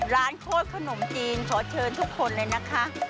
โคตรขนมจีนขอเชิญทุกคนเลยนะคะ